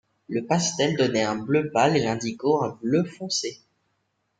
Le pastel donnait un bleu pâle et l'indigo un bleu foncé.